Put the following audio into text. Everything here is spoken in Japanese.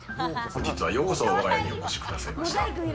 本日は、ようこそ我が家にお越しくださいました。